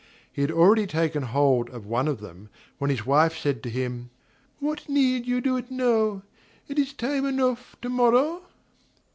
He had already taken hold of one of them, when his wife said to him: "What need you do it now? It is time enough to morrow?"